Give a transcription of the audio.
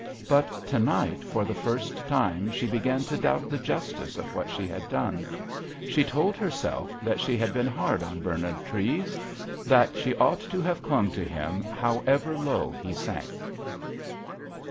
But to night, for the first time, she began to doubt the justice of what she had done. She told herself that she had been hard on Bernard Treves, that she ought to have clung to him, however low he sank.